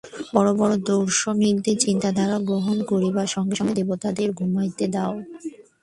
বড় বড় দার্শনিকদের চিন্তাধারা গ্রহণ করিবার সঙ্গে সঙ্গে দেবতাদের ঘুমাইতে দাও।